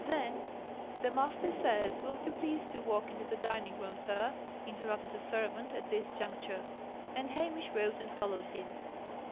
Then " "My master says, will you please to walk into the dining room, sir?" interrupted a servant at this juncture. And Hamish rose and followed him.